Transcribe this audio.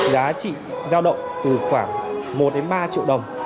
giá trị giao động từ khoảng một đến ba triệu đồng